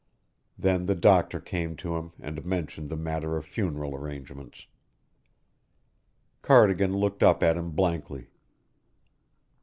Then the doctor came to him and mentioned the matter of funeral arrangements. Cardigan looked up at him blankly.